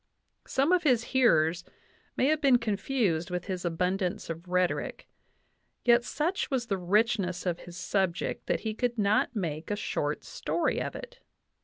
Some of his hearers may have been confused with his abundance of rhetoric; yet such was the richness of his subject that he could not make a short story of it.